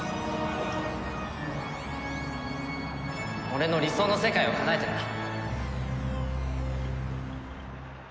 俺の理想の世界をかなえてな。